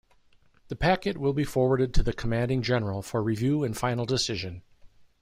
The packet will be forwarded to the Commanding General for review and final decision.